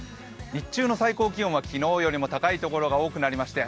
日中の最高気温は昨日よりも高い所が多くなりまして